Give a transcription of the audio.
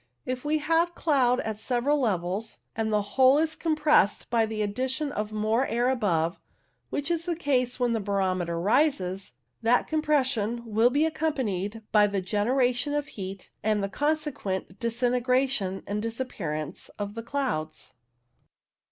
If we have cloud at several levels, and the whole is compressed by the addition of more air above, which is the case when the barometer rises, that compression will be accompanied by the generation of heat and the con sequent disintegration and disappearance of the clouds.